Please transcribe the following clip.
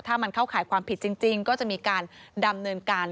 ถ้ามันเข้าข่ายความผิดจริงก็จะมีการดำเนินการ